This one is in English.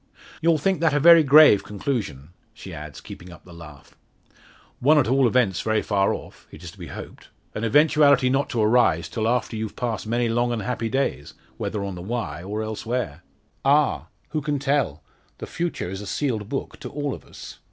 "You'll think that a very grave conclusion," she adds, keeping up the laugh. "One at all events very far off it is to be hoped. An eventuality not to arise, till after you've passed many long and happy days whether on the Wye, or elsewhere." "Ah! who can tell? The future is a sealed book to all of us."